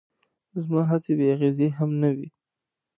زما هڅې بې اغېزې هم نه وې.